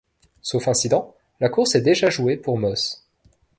Sauf incident, la course est déjà jouée pour Moss.